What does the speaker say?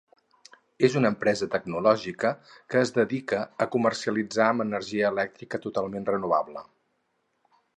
És una empresa tecnològica que es dedica a comercialitzar amb energia elèctrica totalment renovable.